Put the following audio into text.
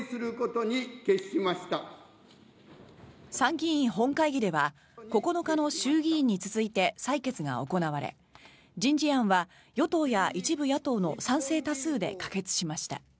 参議院本会議では９日の衆議院に続いて採決が行われ人事案は与党や一部野党の賛成多数で可決しました。